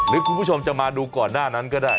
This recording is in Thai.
คุณผู้ชมจะมาดูก่อนหน้านั้นก็ได้